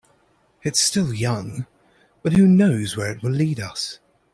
It's still young, but who knows where it will lead us.